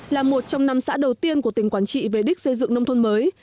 là một trong năm xã đầu tiên của tỉnh quảng trị về đích xây dựng nông thôn mới